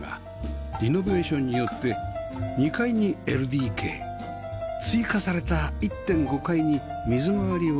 リノベーションによって２階に ＬＤＫ 追加された １．５ 階に水回りを移動